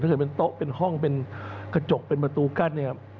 ถ้าเกิดเป็นโต๊ะเป็นห้องเป็นกระจกเป็นประตูกั้น